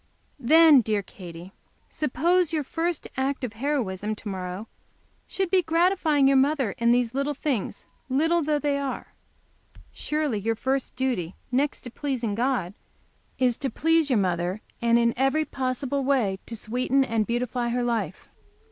"Then, dear Katy, suppose your first act of heroism to morrow should be the gratifying your mother in these little things, little though they are. Surely your first duty, next to pleasing God, is to please your mother, and in every possible way to sweeten and beautify her life.